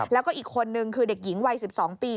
แล้วก็อีกคนนึงคือเด็กหญิงวัย๑๒ปี